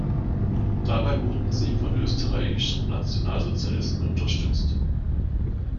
Dabei wurden sie von österreichischen Nationalsozialisten unterstützt.